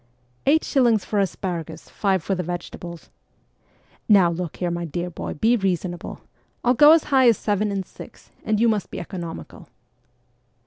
' Eight shillings for asparagus, five for the vegetables.' ' Now, look here, my dear boy, be reasonable. I'll go as high as seven and six, and you must be econo mical.'